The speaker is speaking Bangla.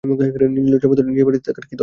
নির্লজ্জের মতো নিজের বাড়িতে থাকার কী দরকার?